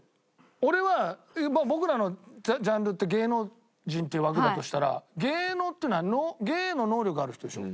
俺は僕らのジャンルって芸能人って枠だとしたら芸能っていうのは芸の能力がある人でしょ？